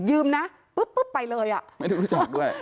ยืมนะปุ๊บไปเลยอ่ะไม่ได้รู้จักด้วย